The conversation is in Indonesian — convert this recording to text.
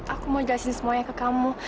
aku mau jelasin semuanya ke kamu